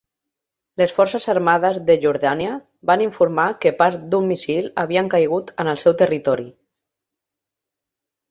Les forces armades de Jordània van informar que parts d'un míssil havien caigut en el seu territori.